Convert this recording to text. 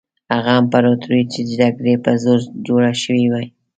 هغه امپراطوري چې د جګړې په زور جوړه شوې وي.